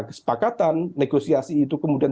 kesepakatan negosiasi itu kemudian